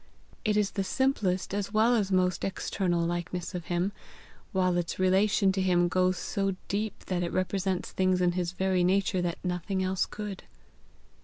It is the simplest as well as most external likeness of him, while its relation to him goes so deep that it represents things in his very nature that nothing else could."